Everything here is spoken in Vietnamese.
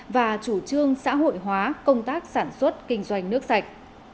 và chủ trương xã hội hóa công tác sản xuất kinh doanh nước sạch